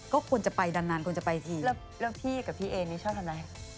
ก็ควรจะไปนานควรจะไปทีแล้วพี่กับพี่เอนี่ชอบทำอะไร